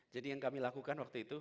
jadi yang kami lakukan waktu itu